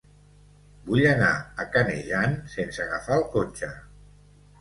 Vull anar a Canejan sense agafar el cotxe.